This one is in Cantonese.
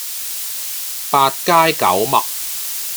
八街九陌